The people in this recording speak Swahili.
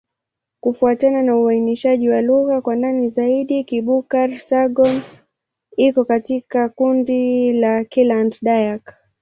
Kufuatana na uainishaji wa lugha kwa ndani zaidi, Kibukar-Sadong iko katika kundi la Kiland-Dayak.